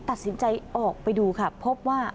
ตัดสินใจออกไปดูค่ะพบว่า